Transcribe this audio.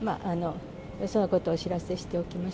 そのことをお知らせしておきます。